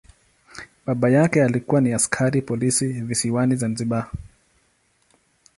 Baba yake alikuwa ni askari polisi visiwani Zanzibar.